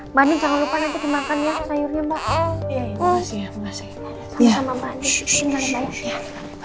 mbak andien jangan lupa nanti dimakan ya sayurnya mbak